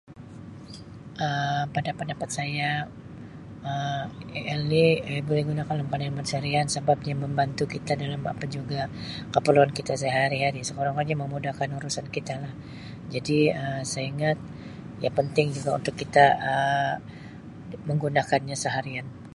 Um Pada pendapat saya, Um AL ni Um boleh digunakan [unintelligible] pencarian sabab dia membantu kita dalam apa juga kaparluan kita sehari-hari. Sekurang-kurangnya memudahkan urusan kita lah. Jadi Um saya ingat, yang penting juga untuk kita Um menggunakannya seharian.